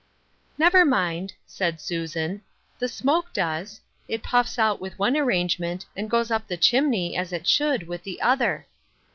" Never mind," said Susan, "the smoke does. It puffs out with one arrangement, and goes up the chimney, as it should, with the other."